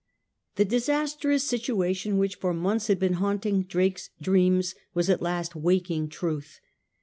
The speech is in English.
The disastrous situation which for months had been haunting Drake's dreams was at last waking truth.